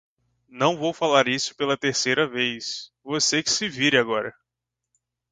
Não vou falar isso pela terceira vez, você que se vire agora.